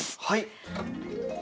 はい。